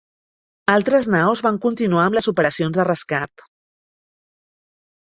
Altres naus van continuar amb les operacions de rescat.